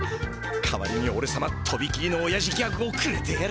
代わりにおれさまとびきりのおやじギャグをくれてやる。